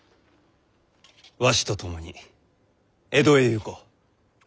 わしと共に江戸へ行こう。